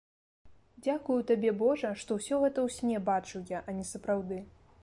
Дзякую табе, божа, што ўсё гэта ў сне бачыў я, а не сапраўды.